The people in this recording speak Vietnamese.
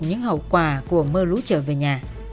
những hậu quả của mơ lũ trở về nhà